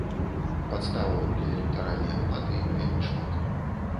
Падставаў для электаральнай апатыі вельмі шмат.